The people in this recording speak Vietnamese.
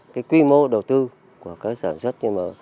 cái quy mô đầu tư của cơ sở sản xuất nhưng mà